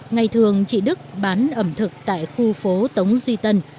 ngày thường chị đức bán ẩm thực tại khu phố tống duy tân